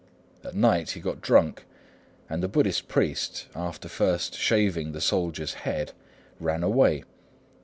At night he got drunk, and the Buddhist priest, after first shaving the soldier's head, ran away.